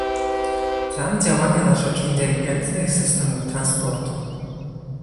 Plan działania na rzecz inteligentnych systemów transportu